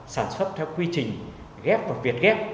sản xuất theo quy trình ghép và việt ghép